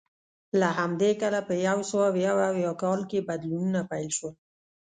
له همدې کبله په یو سوه یو اویا کال کې بدلونونه پیل شول